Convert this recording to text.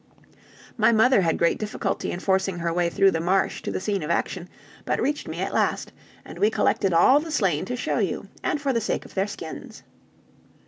"My mother had great difficulty in forcing her way through the marsh to the scene of action, but reached me at last; and we collected all the slain to show you, and for the sake of their skins."